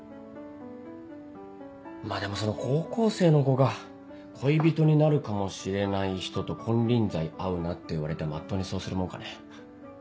まぁでもその高校生の子が恋人になるかもしれない人と金輪際会うなって言われてまっとうにそうするもんかね？